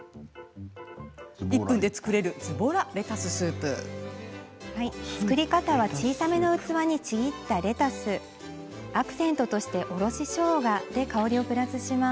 作り方は小さめの器に、ちぎったレタスアクセントとしておろししょうがで香りをプラス。